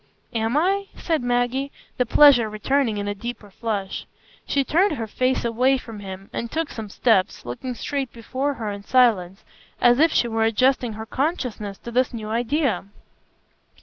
"Am I?" said Maggie, the pleasure returning in a deeper flush. She turned her face away from him and took some steps, looking straight before her in silence, as if she were adjusting her consciousness to this new idea.